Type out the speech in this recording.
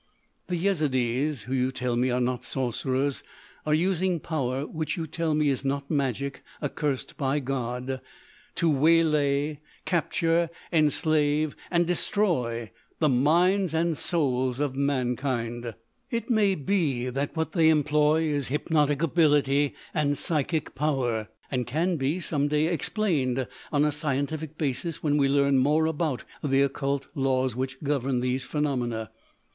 "The Yezidees—who you tell me are not sorcerers—are using power—which you tell me is not magic accursed by God—to waylay, capture, enslave, and destroy the minds and souls of mankind. "It may be that what they employ is hypnotic ability and psychic power and can be, some day, explained on a scientific basis when we learn more about the occult laws which govern these phenomena.